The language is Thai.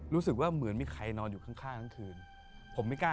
รู้สึกว่าเหมือนไม่ใครยังจะนอนที่ข้าง